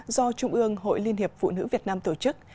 do trung ương hội liên hiệp phụ nữ việt nam tổ chức